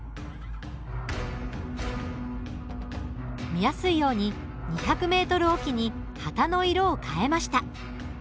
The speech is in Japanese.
見やすいように２００ｍ置きに旗の色を変えました。